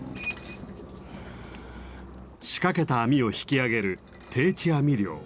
仕掛けた網を引きあげる定置網漁。